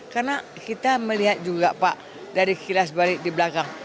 karena kita melihat juga pak dari kilas balik di belakang